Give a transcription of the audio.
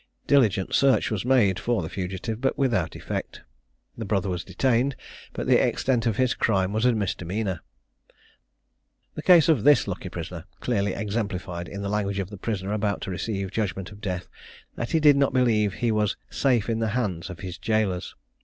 Diligent search was made for the fugitive, but without effect. The brother was detained, but the extent of his crime was a misdemeanour. The case of this lucky prisoner clearly exemplified, in the language of the prisoner about to receive judgment of death, that he did not believe he was "safe in the hands" of his jailors.